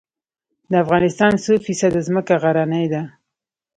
د افغانستان څو فیصده ځمکه غرنۍ ده؟